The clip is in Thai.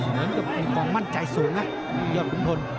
เหมือนมีคล้องมั่นใจสูงนะยอมทุนทน